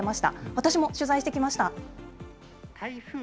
私も取材してきました。